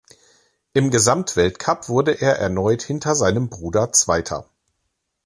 Im Gesamtweltcup wurde er erneut hinter seinem Bruder Zweiter.